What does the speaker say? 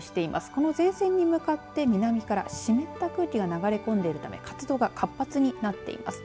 この前線に向かって南から湿った空気が流れ込んでいるため活動が活発になっています。